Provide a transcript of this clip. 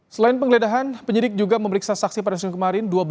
selain penggeledahan penyidik juga memeriksa saksi pada senin kemarin